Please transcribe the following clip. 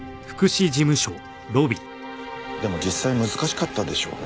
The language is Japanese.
でも実際難しかったでしょうね。